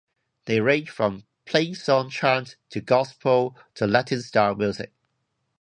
They range from plainsong chant, to Gospel, to Latin-style music.